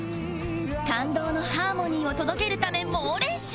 感動のハーモニーを届けるため猛練習